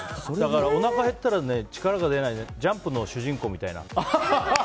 おなか減ったら、力が出ない「ジャンプ」の主人公みたいな。